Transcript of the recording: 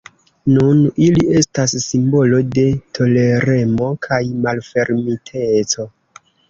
Nun ili estas simbolo de toleremo kaj malfermiteco.